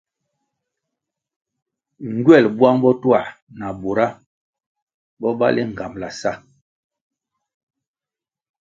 Ngywel buang botuah na bura bo bali nğambala sa.